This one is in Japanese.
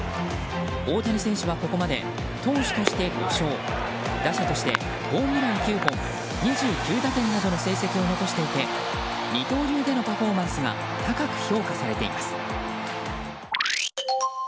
大谷選手はここまで投手として５勝打者として、ホームラン９本２９打点などの成績を残して二刀流でのパフォーマンスが高く評価されています。